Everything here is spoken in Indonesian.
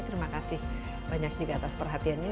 terima kasih banyak juga atas perhatiannya